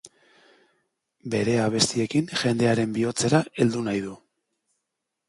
Bere abestiekin jendearen bihotzera heldu nahi du.